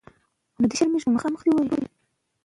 که موږ خپله ژبه وساتو، نو کلتوري اصل به پاته سي.